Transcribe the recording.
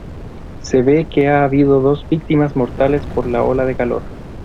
Se ve que ha habido dos víctimas mortales por la ola de calor.